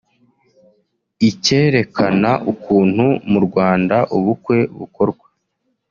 ikerekana ukuntu mu Rwanda ubukwe bukorwa